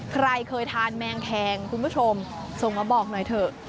ใครเคยทานแมงแทงคุณผู้ชมส่งมาบอกหน่อยเถอะ